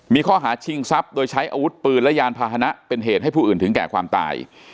มีข้อหาชิงทรัพย์โดยใช้อาวุธปืนและยานพาหนะเป็นเหตุให้ผู้อื่นถึงแก่ความตาย